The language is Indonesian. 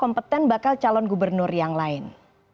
kompeten bakal calon gubernur yang lain